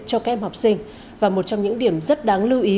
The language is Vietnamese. cho các em học sinh và một trong những điểm rất đáng lưu ý